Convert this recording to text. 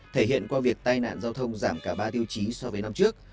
thể hiện qua việc tai nạn giao thông giảm cả ba tiêu chí so với năm trước